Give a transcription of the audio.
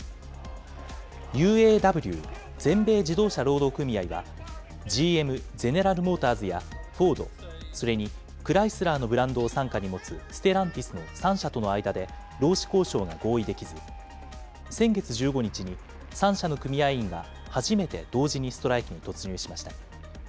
ＵＡＷ・全米自動車労働組合は、ＧＭ・ゼネラル・モーターズやフォード、それにクライスラーのブランドを傘下に持つステランティスの３社との間で、労使交渉が合意できず、先月１５日に３社の組合員が初めて同時にストライキに突入しました。